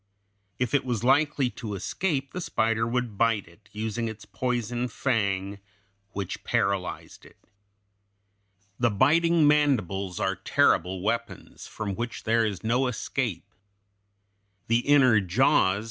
If it was likely to escape, the spider would bite it, using its poison fang (Fig. 173), which paralyzed it. The biting mandibles (Fig. 174) are terrible weapons, from which there is no escape. The inner jaws (Fig.